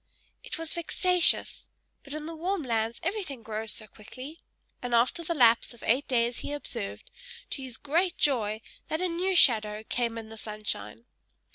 It was vexatious; but in the warm lands everything grows so quickly; and after the lapse of eight days he observed, to his great joy, that a new shadow came in the sunshine.